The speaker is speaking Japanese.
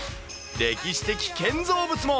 歴史的建造物も。